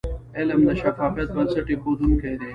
علم د شفافیت بنسټ ایښودونکی د.